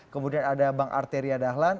kemudian ada bang arteria dahlan